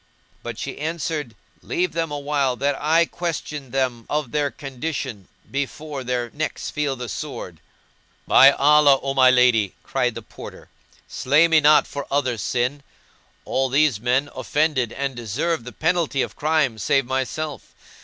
but she answered, "Leave them awhile that I question them of their condition, before their necks feel the sword." "By Allah, O my lady!" cried the Porter, "slay me not for other's sin; all these men offended and deserve the penalty of crime save myself.